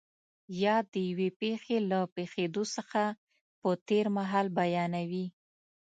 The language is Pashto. یا د یوې پېښې له پېښېدو څخه په تېر مهال بیانوي.